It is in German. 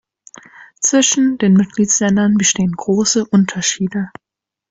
Zwischen den Mitgliedsländern bestehen große Unterschiede.